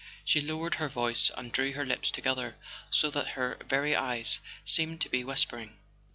She lowered her voice and drew her lids together, so that her very eyes seemed to be whispering.